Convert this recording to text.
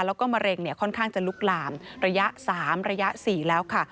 แล้วก็มะเร็งเนี่ยค่อนข้างจะลุกลามระยะ๓ระยะ๔แล้วค่ะ